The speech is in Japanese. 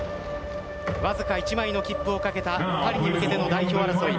わずか１枚の切符をかけたパリに向けての代表争い。